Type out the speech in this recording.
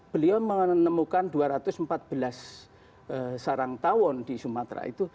beliau menemukan dua ratus empat belas sarang tawon di sumatera itu